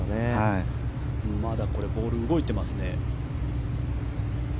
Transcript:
まだボールが動いていますね。